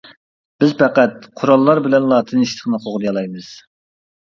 بىز پەقەت قوراللار بىلەنلا تىنچلىقنى قوغدىيالايمىز.